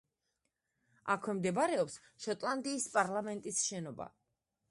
აქვე მდებარეობს შოტლანდიის პარლამენტის შენება.